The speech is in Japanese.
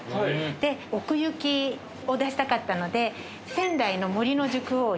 で奥行きを出したかったので。